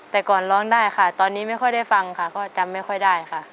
แต่ก่อนร้องได้ค่ะตอนนี้ไม่ค่อยได้ฟังค่ะก็จำไม่ค่อยได้ค่ะ